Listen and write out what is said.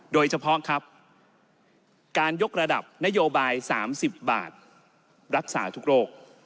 โดยเฉพาะครับการยกระดับนโยบาย๓๐บาทรักษาทุกโรค